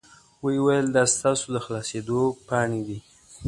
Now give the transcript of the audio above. وې ویل دا ستاسو د خلاصیدو پاڼې دي.